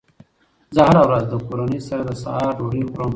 زه هره ورځ له کورنۍ سره د سهار ډوډۍ خورم